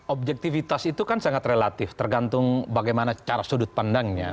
objektivitas itu kan sangat relatif tergantung bagaimana cara sudut pandangnya